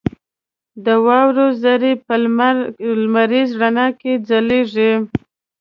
• د واورې ذرې په لمریز رڼا کې ځلېږي.